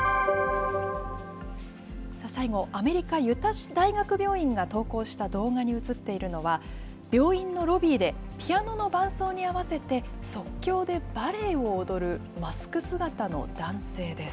最後、アメリカ・ユタ大学病院が投稿した動画に写っているのは、病院のロビーでピアノの伴奏に合わせて、即興でバレエを踊るマスク姿の男性です。